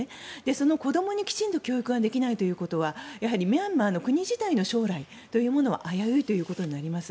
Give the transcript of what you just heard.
その子どもにきちんと教育ができないということはやはりミャンマーの国自体の将来というものは危ういということになります。